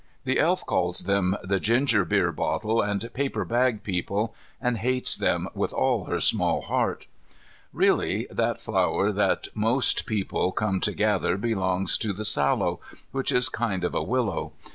The Elf calls them the "Ginger beer bottle and paper bag people" and hates them with all her small heart. Really, that flower that those people come to gather belongs to the sallow, which is a kind of willow.